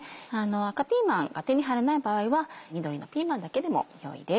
赤ピーマンが手に入らない場合は緑のピーマンだけでも良いです。